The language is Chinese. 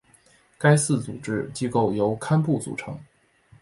该寺组织机构由堪布组成。